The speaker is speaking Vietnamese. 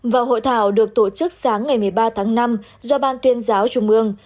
và hội thảo được tổ chức sáng ngày một mươi ba tháng năm do ban tuyên giáo trung ương